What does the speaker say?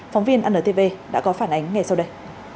phóng viên antv đã có phản ánh ngay sau đây